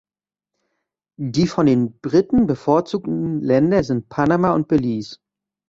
Die von den Briten bevorzugten Länder sind Panama und Belize.